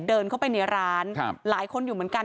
เดินเข้าไปในร้านหลายคนอยู่เหมือนกัน